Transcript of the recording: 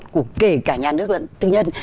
của kể cả nhà nước lẫn tư nhân